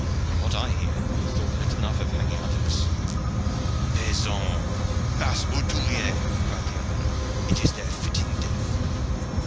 "From what I hear, you thought little enough of hanging others." "Peasants, base roturiers," cried the other. "It is their fitting death.